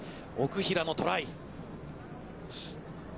奥平のトライ。